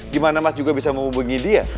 gimana mas juga bisa menghubungi dia